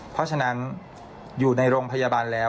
เพราะฉะนั้นอยู่ในโรงพยาบาลแล้ว